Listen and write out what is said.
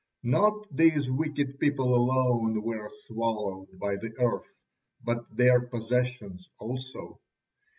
Not these wicked people alone were swallowed by the earth, but their possessions also.